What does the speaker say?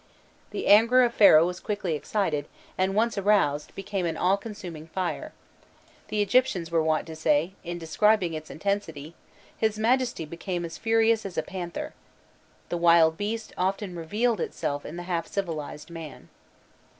The anger of Pharaoh was quickly excited, and once aroused, became an all consuming fire; the Egyptians were wont to say, in describing its intensity, "His Majesty became as furious as a panther." The wild beast often revealed itself in the half civilized man.